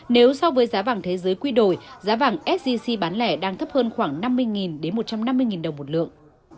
nếu so với giá vàng thế giới quy đổi giá vàng sgc bán lẻ đang thấp hơn khoảng năm mươi một trăm năm mươi đồng một lượng